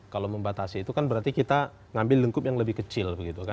kalau membatasi itu kan berarti kita ngambil lingkup yang lebih kecil begitu